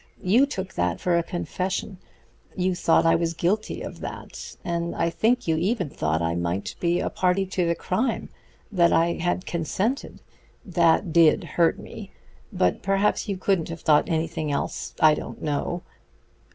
You took that for a confession; you thought I was guilty of that, and I think you even thought I might be a party to the crime, that I had consented.... That did hurt me; but perhaps you couldn't have thought anything else I don't know."